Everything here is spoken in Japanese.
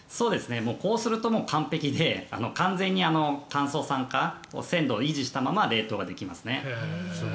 こうするともう完璧で完全に乾燥・酸化を鮮度を維持したまま冷凍できますね。